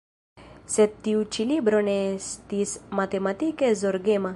Sed tiu ĉi libro ne estis matematike zorgema.